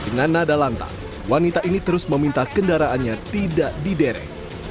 dengan nada lantang wanita ini terus meminta kendaraannya tidak diderek